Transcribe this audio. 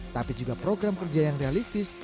tapi juga program kerja yang realistis